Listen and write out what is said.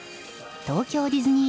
東京ディズニー